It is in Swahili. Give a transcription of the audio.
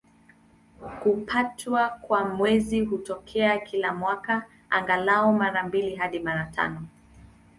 Kupatwa kwa Mwezi hutokea kila mwaka, angalau mara mbili hadi mara tano.